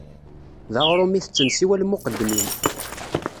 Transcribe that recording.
D aɣrum i tetten siwa lmuqeddmin.